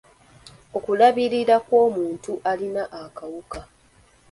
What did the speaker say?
Okulabirira kw'omuntu alina akawuka.